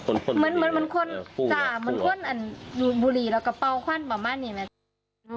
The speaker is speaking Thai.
เหมือนคนบุรีแล้วก็เปาขว้านประมาณนี้แหละ